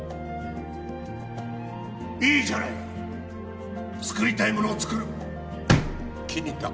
いいじゃないか作りたいものを作る気に入った！